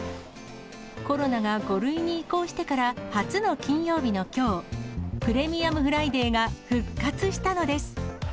コロナが５類に移行してから初の金曜日のきょう、プレミアムフライデーが復活したのです。